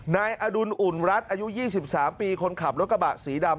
นายอดุลอุ่นรัฐอายุ๒๓ปีคนขับรถกระบะสีดำ